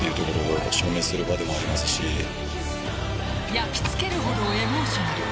焼き付けるほどエモーショナル。